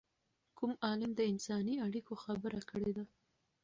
کوم عالم د انساني اړیکو خبره کړې ده؟